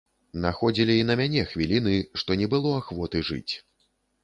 Находзілі і на мяне хвіліны, што не было ахвоты жыць.